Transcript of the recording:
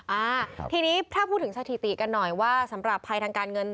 อ่าทีนี้ถ้าพูดถึงสถิติกันหน่อยว่าสำหรับภัยทางการเงิน